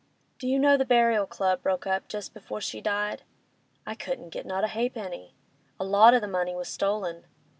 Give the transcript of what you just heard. Do you know the Burial Club broke up just before she died? I couldn't get not a ha'penny! A lot o' the money was stolen.